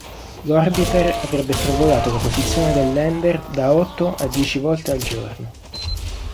L'orbiter avrebbe sorvolato la posizione del lander da otto a dieci volte al giorno.